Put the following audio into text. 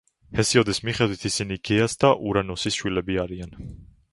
ჰესიოდეს მიხედვით ისინი გეას და ურანოსის შვილები არიან.